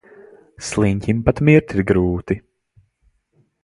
Sliņķim pat mirt ir grūti.